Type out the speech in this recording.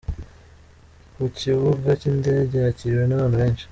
Ku kibuga cy'indege yakiriwe n'abantu benshi.